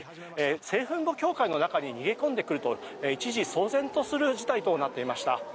聖墳墓教会の中に逃げ込んでくると一時、騒然とする事態となっていました。